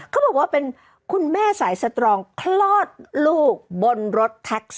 เขาบอกว่าเป็นคุณแม่สายสตรองคลอดลูกบนรถแท็กซี่